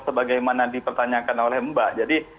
sebagaimana dipertanyakan oleh mbak